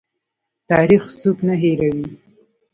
تاریخ څوک نه هیروي